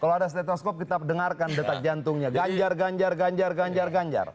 kalau ada stetoskop kita dengarkan detak jantungnya ganjar ganjar ganjar ganjar ganjar ganjar ganjar